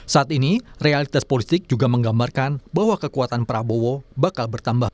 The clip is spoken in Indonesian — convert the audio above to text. saat ini realitas politik juga menggambarkan bahwa kekuatan prabowo bakal bertambah